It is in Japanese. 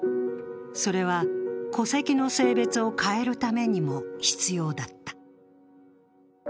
それは戸籍の性別を変えるためにも必要だった。